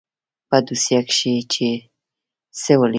په دوسيه کښې يې څه وليکل.